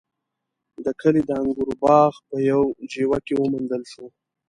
د کلي د انګورو باغ په يوه جیوه کې وموندل شو.